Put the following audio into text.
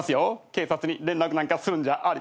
警察に連絡なんかするんじゃありませんよ。